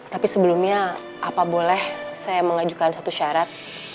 tapi sebelumnya apa boleh saya mengajukan satu syarat